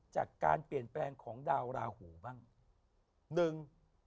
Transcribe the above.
จากการเปลี่ยนแปลงของดาวราหูบ้างหนึ่ง